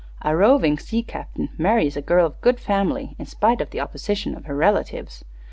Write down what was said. A roving sea captain marries a girl of good family in spite of the opposition of her relatives.